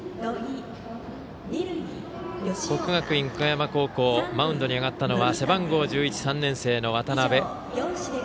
国学院久我山高校マウンドに上がったのは背番号１１、３年生の渡邊。